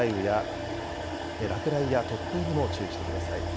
落雷や突風にも注意してください。